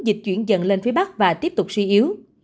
dịch chuyển dần lên phía bắc và tiếp tục suy yếu